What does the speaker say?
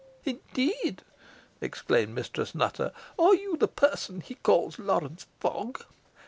"Indeed!" exclaimed Mistress Nutter, "are you the person he called Lawrence Fogg?"